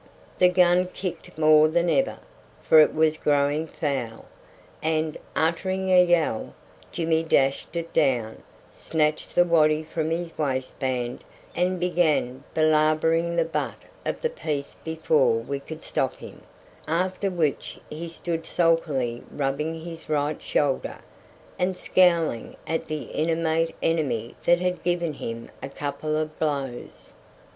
The gun kicked more than ever, for it was growing foul, and, uttering a yell, Jimmy dashed it down, snatched the waddy from his waistband, and began belabouring the butt of the piece before we could stop him, after which he stood sulkily rubbing his right shoulder, and scowling at the inanimate enemy that had given him a couple of blows.